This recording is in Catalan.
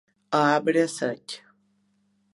A arbre sec.